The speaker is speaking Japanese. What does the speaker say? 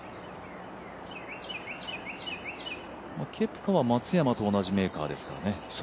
ケプカは松山と同じメーカーですからね。